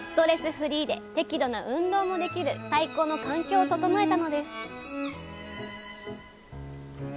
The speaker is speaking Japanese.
フリーで適度な運動もできる最高の環境を整えたのです